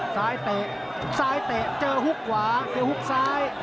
เตะซ้ายเตะเจอฮุกขวาเจอฮุกซ้าย